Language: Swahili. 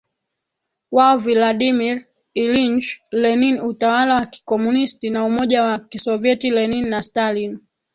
wao Vladimir Ilyich LeninUtawala wa kikomunisti na Umoja wa Kisovyeti Lenin na Stalin